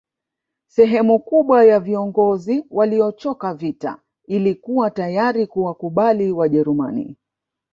Sehemu kubwa ya viongozi waliochoka vita ilikuwa tayari kuwakubali Wajerumani